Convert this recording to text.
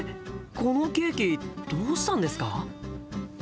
このケーキどうしたんですか？